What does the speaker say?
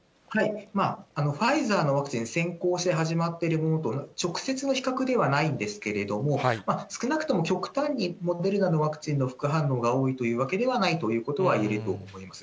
ファイザーのワクチン、先行して始まってるものと直接の比較ではないんですけれども、少なくとも極端にモデルナのワクチンの副反応が多いというわけではないということは言えると思います。